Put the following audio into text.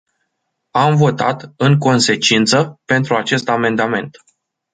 Am votat, în consecință, pentru acest amendament.